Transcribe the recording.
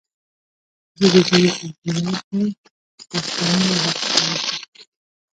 جگی جگی ساقی راشه، پس له عمره را پخلاشه